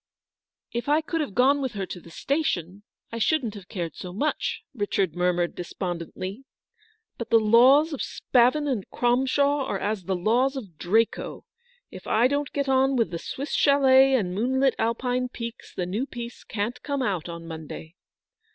" If I could have gone with her to the station, I shouldn't have cared so much," Richard mur mured despondently, "but the laws of Spavin and Cromshaw are as the laws of Draco. If I don't get on with the Swiss chalet and moonlit Alpine peaks, the new piece can't come out on Monday."